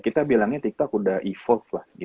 kita bilangnya tiktok udah evolve lah